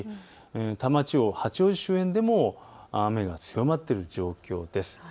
多摩地方、八王子周辺でも雨が強まっている状況です。